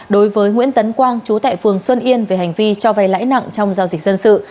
đối với nguyễn tấn quang chú tại phường xuân yên về hành vi cho vay lãi nặng trong giao dịch dân sự